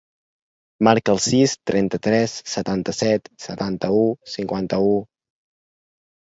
Marca el sis, trenta-tres, setanta-set, setanta-u, cinquanta-u.